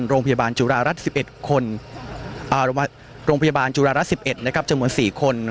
โรงพยาบาลจุฬารัฐ๑๑คนโรงพยาบาลจุฬารัฐ๑๑จำนวน๔คน